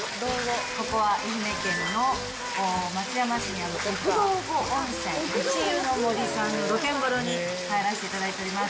ここは愛媛県の松山市にある奥道後温泉、壱湯の守さんの露天風呂に入らさせていただいております。